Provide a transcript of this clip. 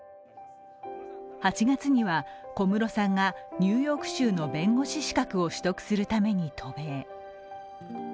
８月には小室さんがニューヨーク州の弁護士資格を取得するために渡米。